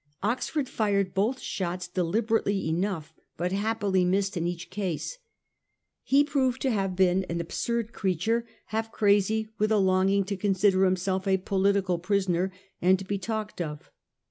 Oxford fired both shots deliberately enough, but happily missed in each case. He proved to have been an absurd creature, half crazy with a longing to consider himself a political prisoner and to be talked of.